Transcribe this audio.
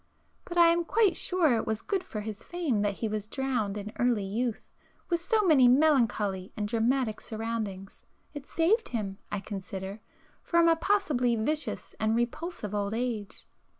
But I am quite sure it was good for his fame that he was drowned in early youth with so many melancholy and dramatic surroundings,—it saved him, I consider, from a possibly vicious and repulsive old age.